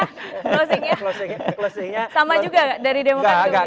closingnya sama juga gak dari demokrasi